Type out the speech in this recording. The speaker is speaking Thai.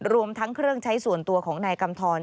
รวมทั้งเครื่องใช้ส่วนตัวของนายกำทร